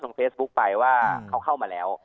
เฟซบุ๊คไปว่าเขาเข้ามาแล้ว